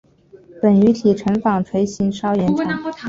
本鱼体成纺锤型稍延长。